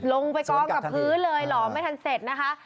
ลงไปกองกับพื้นเลยหลอมไม่ทันเสร็จนะคะ